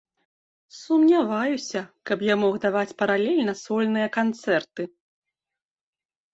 Сумняваюся, каб я мог даваць паралельна сольныя канцэрты.